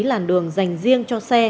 làn đường dành riêng cho xe